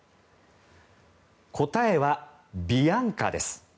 答えはビアンカです。